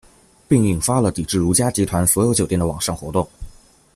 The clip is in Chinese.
并引发了抵制如家集团所有酒店的网上活动。